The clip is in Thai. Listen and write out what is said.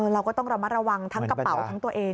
เราก็ต้องระมัดระวังทั้งกระเป๋าทั้งตัวเอง